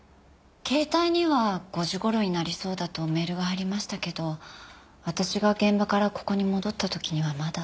携帯には５時頃になりそうだとメールが入りましたけど私が現場からここに戻った時にはまだ。